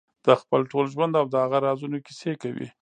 د خپل ټول ژوند او د هغه رازونو کیسې کوي.